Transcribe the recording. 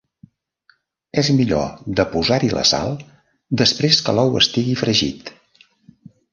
És millor de posar-hi la sal després que l'ou estigui fregit.